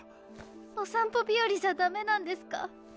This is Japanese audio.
「お散歩日和」じゃだめなんですか？